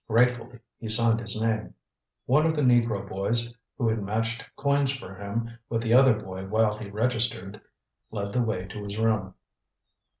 Gratefully he signed his name. One of the negro boys who had matched coins for him with the other boy while he registered led the way to his room.